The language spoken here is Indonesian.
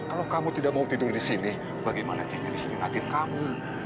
kalau kamu tidak mau tidur disini bagaimana saya bisa disunatin kamu